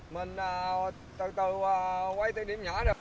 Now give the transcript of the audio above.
mình tự tự quay từ điểm nhỏ rồi